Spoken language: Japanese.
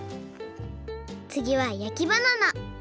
つぎは焼きバナナ！